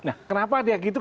nah kenapa dia gitu